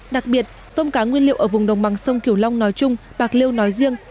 đặc biệt tôm cá nguyên liệu ở vùng đồng bằng sông kiều long nói chung bạc liêu nói riêng